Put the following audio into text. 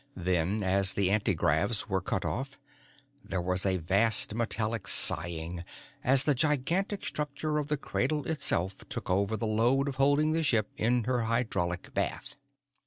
Then, as the antigravs were cut off, there was a vast, metallic sighing as the gigantic structure of the cradle itself took over the load of holding the ship in her hydraulic bath.